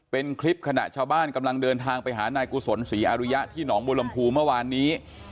เป็นคลิปขณะชาวบ้านกำลังเดินทางไปหานายกุศลศรีอาริยะที่หนองบุรมภูเมื่อวานนี้